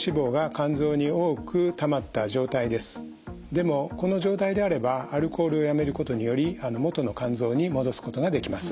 でもこの状態であればアルコールをやめることにより元の肝臓に戻すことができます。